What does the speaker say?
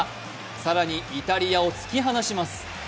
更にイタリアを突き放します。